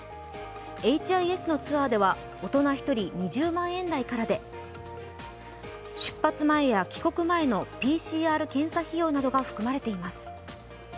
ＨＩＳのツアーでは大人１人２０万円台からで出発前や帰国前のＰＣＲ検査費用などが含まれています。